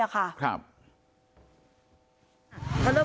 แม่ก็ให้โอกาสแม่